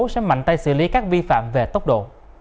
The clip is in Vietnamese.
sẽ mạnh tay xử lý các vi phạm về tốc độ